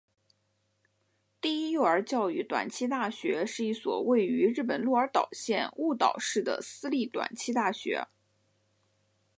第一幼儿教育短期大学是一所位于日本鹿儿岛县雾岛市的私立短期大学。